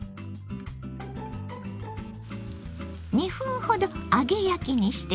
２分ほど揚げ焼きにしてね。